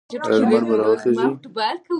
آیا لمر به راوخیږي؟